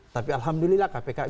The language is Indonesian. tapi alhamdulillah kpk bisa menang